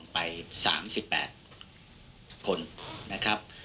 ไป๓๘คนนะครับ